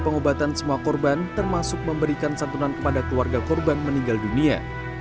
pengobatan semua korban termasuk memberikan santunan kepada keluarga korban meninggal dunia